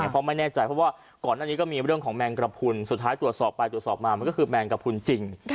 เพราะว่าก่อนอันนี้ก็มีเรื่องของแมงกระพุนสุดท้ายตรวจสอบไปตรวจสอบมาก็คือแมงกระพุนจริง